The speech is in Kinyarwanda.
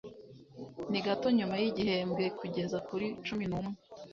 Ni gato nyuma yigihembwe kugeza kuri cumi n'umwe.